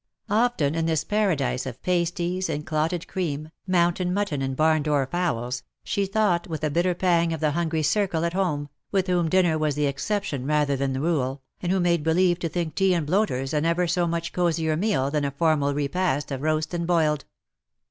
'''' Often in this paradise of pasties and clotted cream^ mountain mutton and barn door fowls, she thought with a bitter pang of the hungry circle at home, with whom dinner was the exception rather than the rule, and who made believe to think tea and bloaters an ever so much cosier meal than a formal repast of roast and boiled.